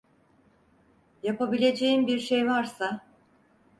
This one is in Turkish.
Yapabileceğim bir şey varsa…